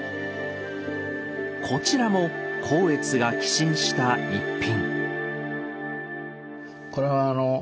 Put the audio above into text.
こちらも光悦が寄進した逸品。